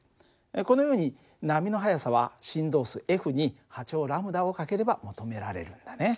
このように波の速さは振動数に波長λを掛ければ求められるんだね。